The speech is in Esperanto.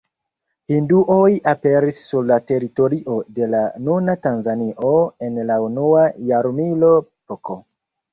Hinduoj aperis sur la teritorio de la nuna Tanzanio en la unua jarmilo pK.